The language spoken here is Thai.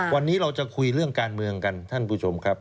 วันนี้เราจะคุยเรื่องการเมืองกันท่านผู้ชมครับ